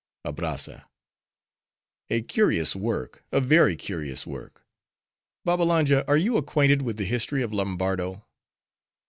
ABBRAZZA—A curious work: a very curious work. Babbalanja, are you acquainted with the history of Lombardo?